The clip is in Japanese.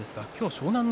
湘南乃